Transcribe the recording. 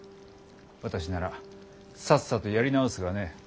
私ならさっさとやり直すがね。